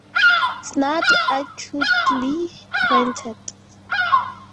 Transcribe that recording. Snout acutely pointed.